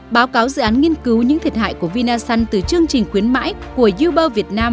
báo cáo dự án nghiên cứu những thiệt hại của vinasun từ chương trình khuyến mãi của uber việt nam